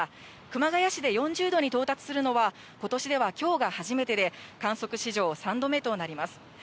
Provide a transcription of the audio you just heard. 熊谷市で４０度に到達するのは、ことしではきょうが初めてで、観測史上３度目となります。